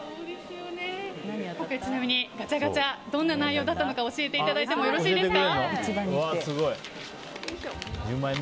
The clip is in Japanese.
今回、ちなみにガチャガチャどんな内容だったのか教えていただいてもよろしいですか。